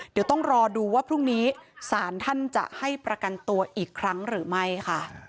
เดี๋ยวต้องรอดูว่าพรุ่งนี้ศาลท่านจะให้ประกันตัวอีกครั้งหรือไม่ค่ะ